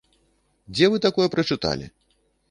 Дзе вы такое прачыталі?